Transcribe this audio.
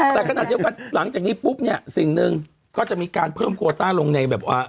แต่ขนาดเดียวกันหลังจากนี้ปุ๊บเนี่ยสิ่งหนึ่งก็จะมีการเพิ่มโคต้าลงในแบบว่า